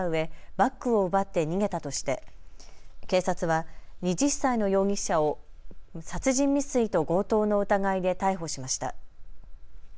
バッグを奪って逃げたとして警察は２０歳の容疑者を殺人未遂と強盗の疑いで逮捕しました。